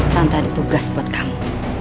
tanpa ada tugas buat kamu